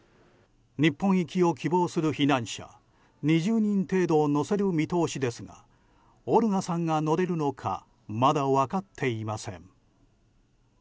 日本行きを希望する避難者２０人程度を乗せる見通しですがオルガさんが乗れるのかまだ分かっていません。